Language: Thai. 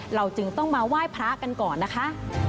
เราจึงต้องมาไหว้พระกันก่อนนะคะ